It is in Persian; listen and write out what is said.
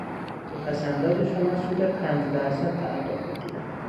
به پس انداز شما سود پنج درصد تعلق میگیرد.